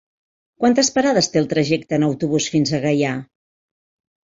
Quantes parades té el trajecte en autobús fins a Gaià?